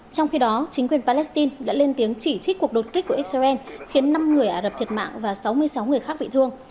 trong khi đó chính quyền palestine đã lên tiếng chỉ trích cuộc đột kích của israel khiến năm người ả rập thiệt mạng và sáu mươi sáu người khác bị thương